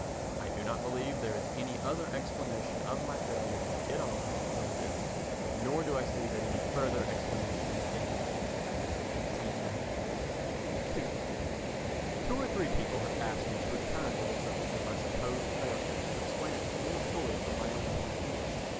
I do not believe there is any other explanation of my failure to get on than this, nor do I see that any further explanation is needed. [1890.] ii Two or three people have asked me to return to the subject of my supposed failure and explain it more fully from my own point of view.